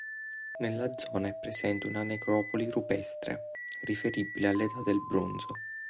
Nella zona è presente una necropoli rupestre riferibile all'Età del Bronzo.